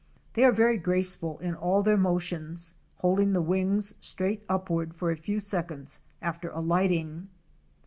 They are very graceful in all their motions, holding the wings straight upward for a few seconds after alighting.